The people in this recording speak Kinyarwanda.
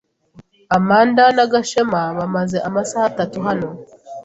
Amanda na Gashema bamaze amasaha atatu hano.